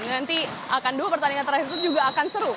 nanti akan dua pertandingan terakhir itu juga akan seru